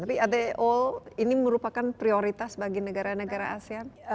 tapi ado ini merupakan prioritas bagi negara negara asean